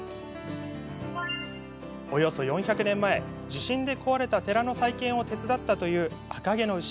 およそ４００年前地震で壊れた寺の再建を手伝ったという赤毛の牛。